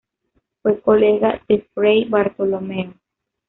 Fue colega de Fray Bartolomeo.